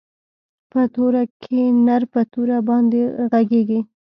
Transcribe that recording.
په توره کښې نر په توره باندې ږغېږي.